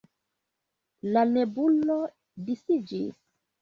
La nebulo disiĝis.